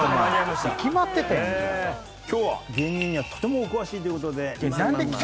今日は芸人にはとてもお詳しいということで２０２２年